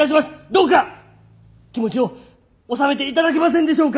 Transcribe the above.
どうか気持ちを収めて頂けませんでしょうか。